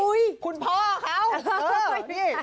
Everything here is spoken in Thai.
อุ๊ยคุณพ่อเขา